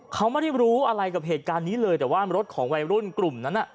เขาไม่ได้รู้อะไรกับเหตุการณ์นี้เลยแต่ว่ารถของวัยรุ่นกลุ่มนั้น